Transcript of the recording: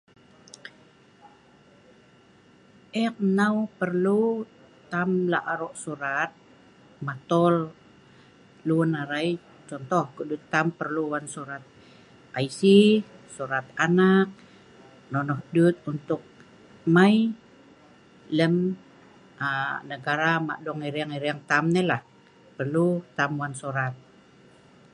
Eek nnau perlu taam la' aro' sorat matoel luen arai contoh ko'duet tam perlu taam wan sorat IC, sorat anak nonoh duet mai aa negara nok ereeng ereeng tam nai la' perlu taam waen sorat.